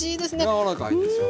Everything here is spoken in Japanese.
柔らかいんですよ。